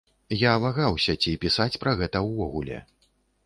Я вагаўся, ці пісаць пра гэта ўвогуле.